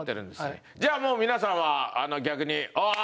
じゃあもう皆さんは逆にああ